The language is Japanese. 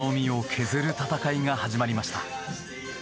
その身を削る戦いが始まりました。